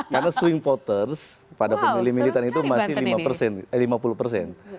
karena swing potters pada pemilih militan itu masih lima puluh persen